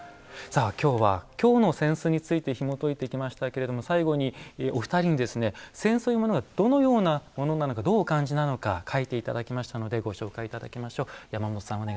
きょうは京の扇子についてひもといてきましたけれども最後に、お二人に扇子というものがどのようなものなのか書いていただきましたのでご紹介いただきましょう。